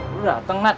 lu dateng nat